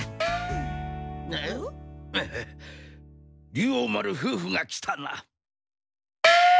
竜王丸夫婦が来たな。